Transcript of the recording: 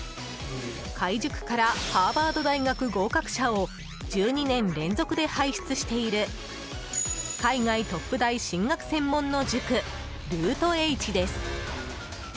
開塾からハーバード大学合格者を１２年連続で輩出している海外トップ大進学専門の塾ルートＨです。